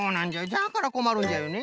じゃからこまるんじゃよね。